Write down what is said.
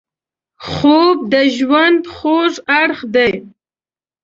خوب د ژوند خوږ اړخ دی